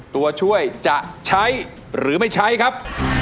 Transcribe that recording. ตัวช่วยจะใช้หรือไม่ใช้ครับ